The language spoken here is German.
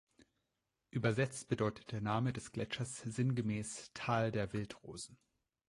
Übersetzt bedeutet der Name des Gletschers sinngemäß „Tal der Wildrosen“.